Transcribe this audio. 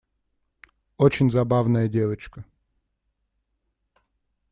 Очень забавная девочка.